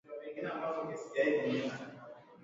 kutekeleza mashambulizi dhidi ya kambi za jeshi